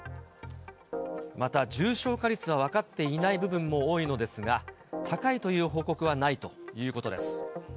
また、重症化率は分かっていない部分も多いのですが、高いという報告はないということです。